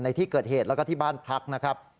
ในที่เกิดเหตุแล้วก็ที่บ้านพักนะครับ